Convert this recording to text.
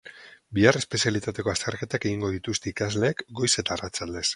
Bihar espezialitateko azterketak egingo dituzte ikasleek goiz eta arratsaldez.